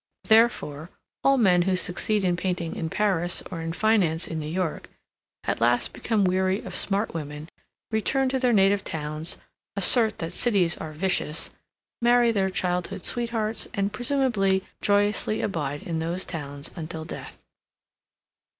Therefore all men who succeed in painting in Paris or in finance in New York at last become weary of smart women, return to their native towns, assert that cities are vicious, marry their childhood sweethearts and, presumably, joyously abide in those towns until death.